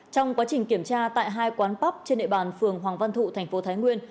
trong quá trình kiểm tra tại hai quán bắp trên địa bàn phường hoàng văn thụ thành phố thái nguyên